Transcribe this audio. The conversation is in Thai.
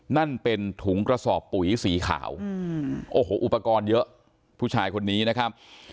นั่นเป็นถุงกระสอบปุ๋ยสีขาวโอ้โหอุปกรณ์เยอะผู้ชายคนนี้นะครับ